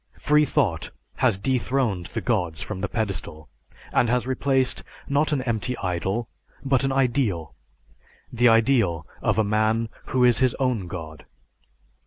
Freethought has dethroned the gods from the pedestal, and has replaced, not an empty idol, but an ideal, the ideal of a man who is his own god.